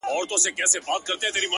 د زړه لاسونه مو مات ، مات سول پسي،